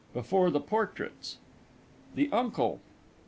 BEFORE THE PORTRAITS. THE UNCLE.